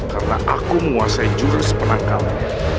karena aku menguasai jurus penangkauan